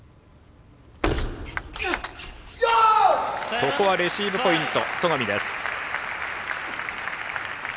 ここはレシーブポイント、戸上。